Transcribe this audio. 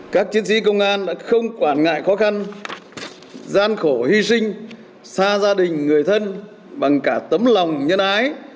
các chiến sĩ công an đã không quản ngại khó khăn gian khổ hy sinh xa gia đình người thân bằng cả tấm lòng nhân ái